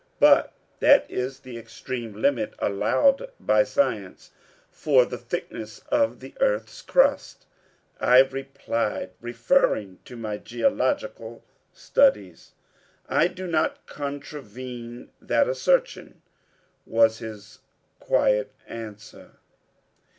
"But that is the extreme limit allowed by science for the thickness of the earth's crust," I replied, referring to my geological studies. "I do not contravene that assertion," was his quiet answer.